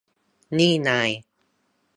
นี่นาย